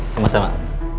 terima kasih pak